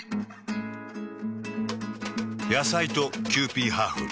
野菜とキユーピーハーフ。